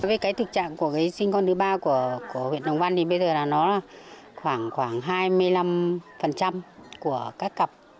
với cái thực trạng của sinh con đứa ba của huyện đồng văn thì bây giờ là nó khoảng hai mươi năm của các cặp